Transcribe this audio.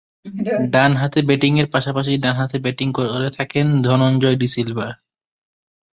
ডানহাতে ব্যাটিংয়ের পাশাপাশি ডানহাতে ব্যাটিং করে থাকেন ধনঞ্জয় ডি সিলভা।